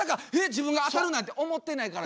自分があたるなんて思ってないからな。